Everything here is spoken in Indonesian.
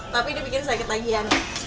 tapi ini bikin sakit lagi ya